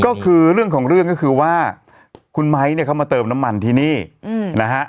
ก็คือเรื่องของเรื่องก็คือว่าคุณไม้เนี่ยเขามาเติมน้ำมันที่นี่นะฮะ